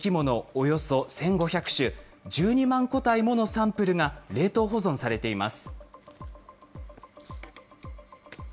およそ１５００種、１２万個体ものサンプルが冷凍保存されています。